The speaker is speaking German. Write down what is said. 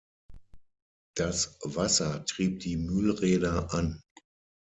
Das Wasser trieb die Mühlräder an.